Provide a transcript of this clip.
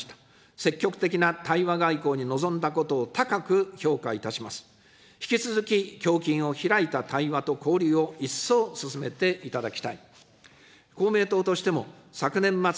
積極的な対話外交に臨んだことを高く評価いたします。